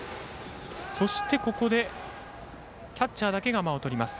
そして、ここでキャッチャーだけが間をとります。